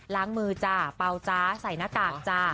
ล้างมือจ้าเปล่าจ๊ะใส่หน้ากากจ้า